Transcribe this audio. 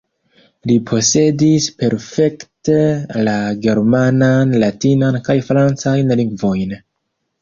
Li posedis perfekte la germanan, latinan kaj francajn lingvojn.